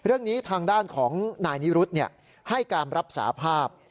เรื่องนี้ทางด้านของนายนิรุธให้การรับสาภาพ